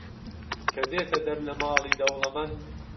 کە دێتە دەر لە ماڵی دەوڵەمەند